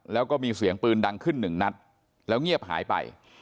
แล้วก็มีเสียงปืนดังขึ้นหนึ่งนัดแล้วเงียบหายไป